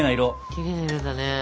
きれいな色だね！